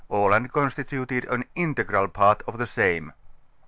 Aland constituted an integral part of the same.